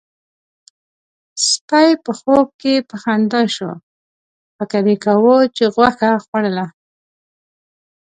سپي په خوب کې په خندا شو، فکر يې کاوه چې غوښه خوړله.